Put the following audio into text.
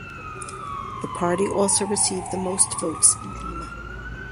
The party also received the most votes in Lima.